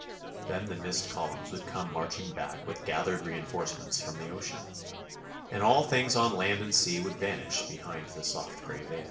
Then the mist columns would come marching back with gathered reinforcements from the ocean, and all things on land and sea would vanish behind the soft gray veil.